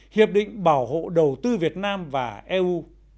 hiệp định bảo hộ đầu tư việt nam và eu